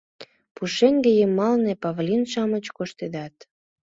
Пушеҥге йымалне павлин-шамыч коштедат.